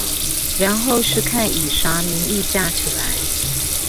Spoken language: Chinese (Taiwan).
然後看是以啥名義架起來